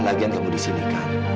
lagian kamu disini kan